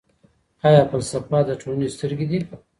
آیا فلسفه د ټولني سترګې دي؟